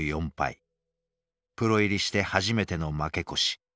プロ入りして初めての負け越し。